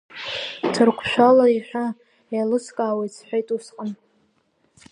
Ҭырқәшәала иҳәа, еилыскаауеит, — сҳәеит усҟан.